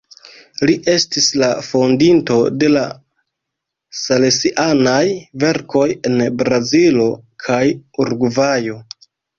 Li estis la fondinto de la salesianaj verkoj en Brazilo kaj Urugvajo.